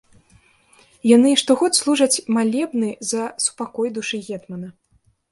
Яны штогод служаць малебны за супакой душы гетмана.